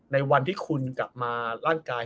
ในวันที่คุณกลับมาร่างกาย